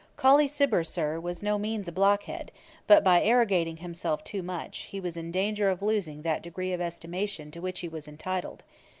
] 'Colley Cibber, Sir, was by no means a blockhead; but by arrogating to himself too much, he was in danger of losing that degree of estimation to which he was entitled.